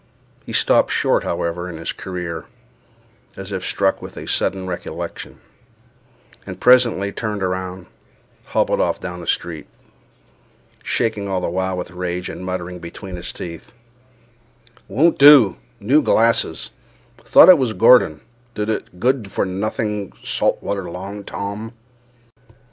He stopped short, however, in his career, as if struck with a sudden recollection; and presently, turning round, hobbled off down the street, shaking all the while with rage, and muttering between his teeth: "Won't do—new glasses—thought it was Gordon—d—d good for nothing salt water Long Tom."